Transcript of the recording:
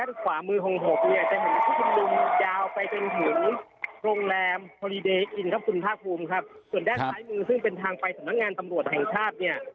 ส่วนด้านซ้ายมือซึ่งเป็นทางไปสำนักงานตำรวจแห่งชาติเนี่ย